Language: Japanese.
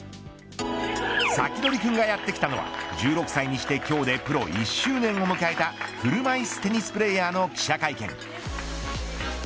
サキドリくんがやってきたのは１６歳にして今日でプロ１周年を迎えた車いすテニスプレーヤーの記者会見。